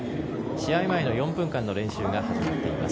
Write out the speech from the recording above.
試合前の４分間の練習が始まっています。